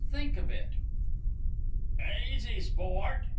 Think of it!" "Easy, sport!